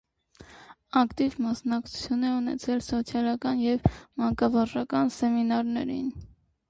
Ակտիվ մասնակցություն է ունեցել սոցիալական և մանկավարժական սեմինարներին։